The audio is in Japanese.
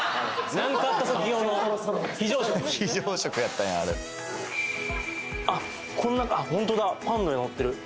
なんかあったとき用の非常食やったんやあれあっこの中本当だパンの上載ってる